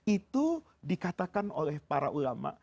itu dikatakan oleh para ulama